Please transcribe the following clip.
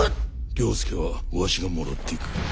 了助はわしがもらっていく。